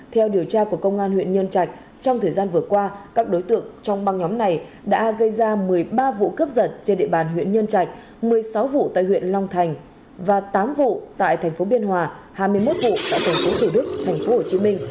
theo điều tra của công an huyện nhân trạch trong thời gian vừa qua các đối tượng trong băng nhóm này đã gây ra một mươi ba vụ cướp giật trên địa bàn huyện nhân trạch một mươi sáu vụ tại huyện long thành và tám vụ tại thành phố biên hòa hai mươi một vụ tại tp thủ đức tp hcm